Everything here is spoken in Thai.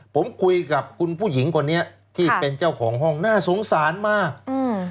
ผมคุยกับคุณผู้หญิงคนนี้ที่เป็นเจ้าของห้องน่าสงสารมากอืม